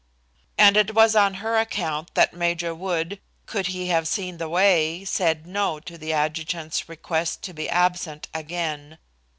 And it was on her account the major would, could he have seen the way, said no to the adjutant's request to be absent again.